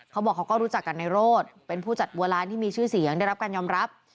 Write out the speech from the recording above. เขาบอกเขาก็รู้จักกันในโรธเป็นผู้จัดบัวร้านที่มีชื่อเสียงได้รับการยอมรับ